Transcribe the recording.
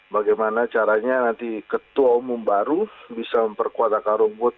bagaimana caranya nanti ketua umum baru bisa memperkuat akar rumput